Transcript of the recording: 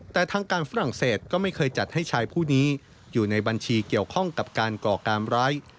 แต่ทางการฝรั่งเศสก็ไม่เคยจัดให้ชายผู้นี้อยู่ในบัญชีเกี่ยวข้องกับการก่อการร้าย